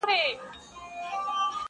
ته چي دومره یې هوښیار نو به وزیر یې،